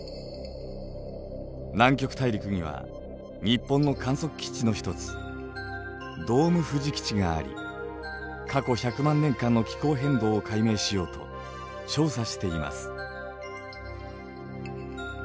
南極大陸には日本の観測基地の一つドームふじ基地があり過去１００万年間の気候変動を解明しようと調査しています。